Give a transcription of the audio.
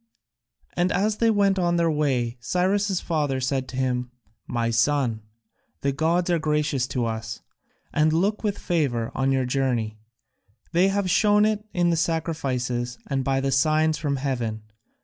And as they went on their way Cyrus' father said to him, "My son, the gods are gracious to us, and look with favour on your journey they have shown it in the sacrifices, and by their signs from heaven.